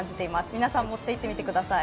皆さん、持っていってみてください。